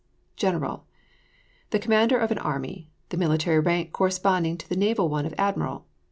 GENERAL. The commander of an army: the military rank corresponding to the naval one of admiral.